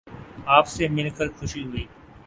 آپ سے مل کر خوشی ہوئی